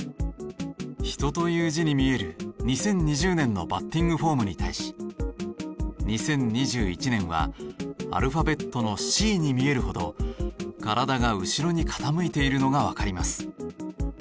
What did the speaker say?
「人」という字に見える２０２０年のバッティングフォームに対し２０２１年はアルファベットの「Ｃ」に見えるほど体が後ろに傾いているのがわかります。